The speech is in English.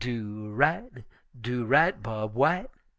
Do right! do right, Bob White!'